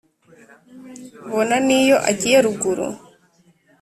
bona n’iyo agiye ruguru,